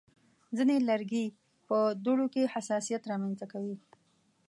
ځینې لرګي په دوړو کې حساسیت رامنځته کوي.